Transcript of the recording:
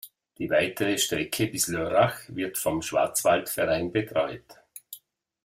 Die weitere Strecke bis Lörrach wird vom Schwarzwaldverein betreut.